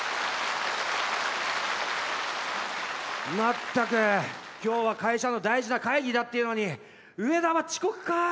全く今日は会社の大事な会議だっていうのに上田は遅刻か？